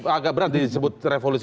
agak berat disebut revolusi